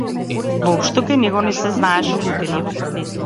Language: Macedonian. Воопшто кај него не се знаеше лутина.